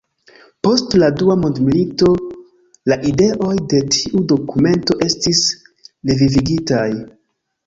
Post la dua mondmilito la ideoj de tiu dokumento estis revivigitaj.